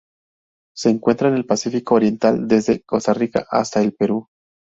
Se encuentra en el Pacífico oriental: desde Costa Rica hasta el Perú.